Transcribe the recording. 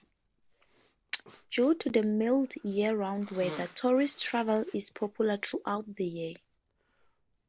Due to the mild year-round weather, tourist travel is popular throughout the year.